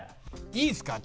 いいですか？